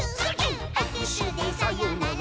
「あくしゅでさよなら」